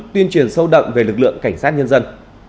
tuyên truyền sâu đậm về lực lượng cảnh sát nhân dân